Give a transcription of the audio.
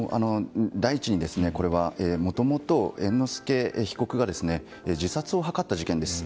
第一にこれはもともと猿之助被告が自殺を図った事件です。